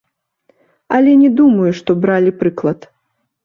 Але не думаю, што бралі прыклад.